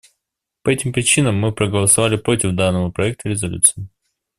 По этим причинам мы проголосовали против данного проекта резолюции.